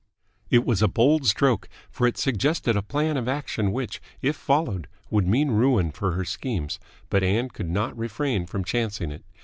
It was a bold stroke, for it suggested a plan of action which, if followed, would mean ruin for her schemes, but Ann could not refrain from chancing it.